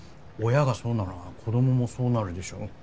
親がそうなら子供もそうなるでしょう。